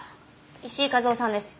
石井和夫さんです。